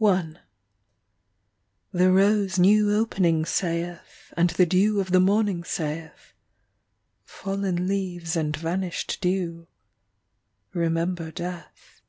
CHIMES The rose new opening saith, And the dew of the morning saith, (Fallen leaves and vanished dew) Remember death.